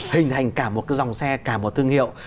hình thành cả một cái dòng xe cả một thương hiệu